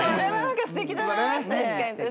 すてきだなって。